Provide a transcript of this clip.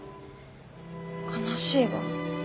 悲しいわ。